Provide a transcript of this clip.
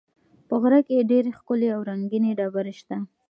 په غره کې ډېرې ښکلې او رنګینې ډبرې شته.